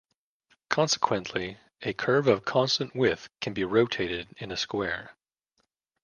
Consequently, a curve of constant width can be rotated in a square.